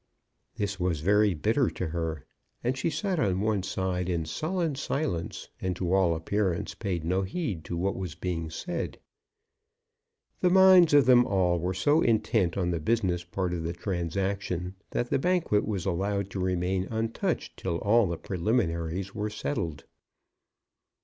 This was very bitter to her, and she sat on one side in sullen silence, and to all appearance paid no heed to what was being said. The minds of them all were so intent on the business part of the transaction that the banquet was allowed to remain untouched till all the preliminaries were settled.